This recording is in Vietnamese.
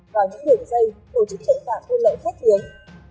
vào những đường dây của chính trị và quân lộng khác tiếng